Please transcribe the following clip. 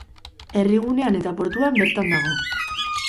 Herrigunean eta portuan bertan dago.